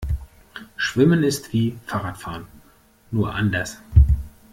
Schwimmen ist wie Fahrradfahren, nur anders.